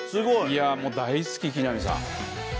いやあもう大好き木南さん。